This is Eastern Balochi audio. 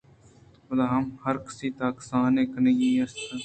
پدا ہم ہرکسی تہا کسانیں کینگے است